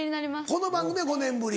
この番組は５年ぶり。